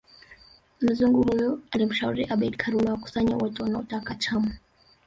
Mzungu huyo alimshauri Abeid Karume awakusanye wote wanaotaka chama